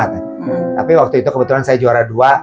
tapi waktu itu kebetulan saya juara dua